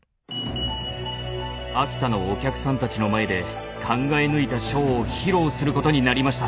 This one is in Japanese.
秋田のお客さんたちの前で考え抜いたショーを披露することになりました。